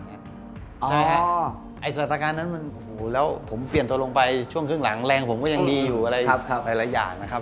สถานการณ์นั้นมันแล้วผมเปลี่ยนตัวลงไปช่วงครึ่งหลังแรงผมก็ยังดีอยู่อะไรหลายอย่างนะครับ